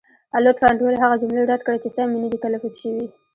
لطفا ټولې هغه جملې رد کړئ، چې سمې نه دي تلفظ شوې.